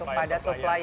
kepada supplier setuju